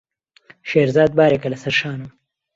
شێرزاد بارێکە لەسەر شانم.